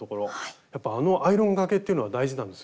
やっぱあのアイロンがけっていうのは大事なんですよね？